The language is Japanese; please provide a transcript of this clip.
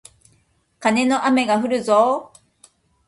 カネの雨がふるぞー